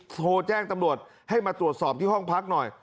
โทรแจ้งตำรวจให้มาตรวจสอบที่ห้องพักหน่อย